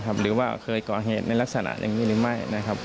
หรือว่าเคยก่อเหตุในลักษณะอย่างนี้หรือไม่นะครับ